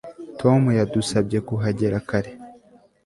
Tom yadusabye kuhagera kare